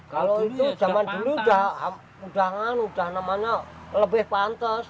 kalau itu zaman dulu udah udah namanya lebih pantes